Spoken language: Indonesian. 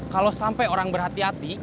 kalau sampai orang berhati hati